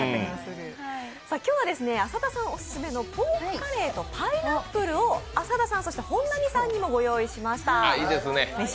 今日は、浅田さんオススメのポークカレーとパイナップルを浅田さん、本並さんにもご用意いたしました。